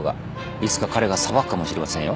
いつか彼が裁くかもしれませんよ